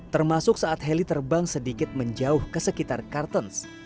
termasuk saat heli terbang sedikit menjauh ke sekitar kartens